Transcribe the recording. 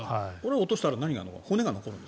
落としたら何が残るの？